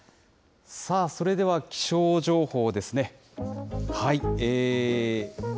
さあ、それでは気象情報ですね。